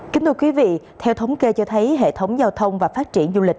kính thưa quý vị theo thống kê cho thấy hệ thống giao thông và phát triển du lịch